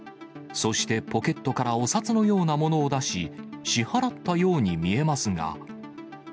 そしてポケットからお札のようなものを出し、支払ったように見えますが。